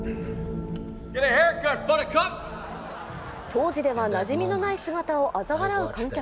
当時では、なじみのない姿をあざ笑う観客。